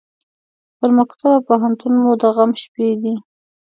پر مکتب او پوهنتون مو د غم شپې دي